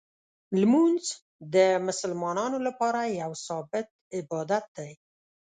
لمونځ د مسلمانانو لپاره یو ثابت عبادت دی.